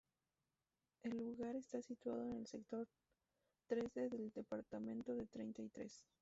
El lugar está situado en el sector tres del departamento de Treinta y Tres.